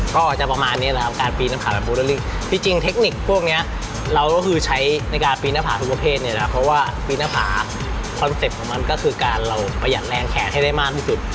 ก็จะประมาณนี้นะครับการปีนน้ำขาแบบโมเดอร์ลิ่งที่จริงเทคนิคพวกเนี้ยเราก็คือใช้ในการปีนหน้าผาทุกประเภทเนี่ยนะครับเพราะว่าปีนหน้าผาคอนเซ็ปต์ของมันก็คือการเราประหยัดแรงแขนให้ได้มากที่สุด